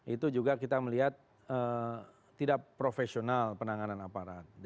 itu juga kita melihat tidak profesional penanganan aparat